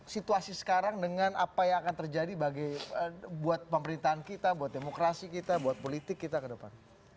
situasi sekarang dengan apa yang akan terjadi buat pemerintahan kita buat demokrasi kita buat politik kita ke depan